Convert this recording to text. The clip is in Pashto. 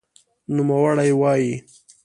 نوموړی وایي،